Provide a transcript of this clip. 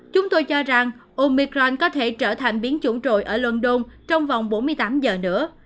chúng tôi cho rằng omicron có thể trở thành biến chủng ở london trong vòng bốn mươi tám giờ nữa